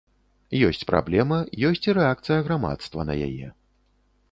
Ёсць праблема, ёсць і рэакцыя грамадства на яе.